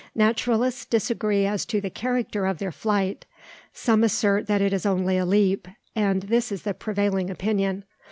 Naturalists disagree as to the character of their flight. Some assert that it is only a leap, and this is the prevailing opinion.